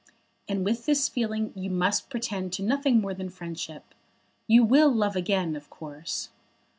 And with this feeling you must pretend to nothing more than friendship. You will love again, of course."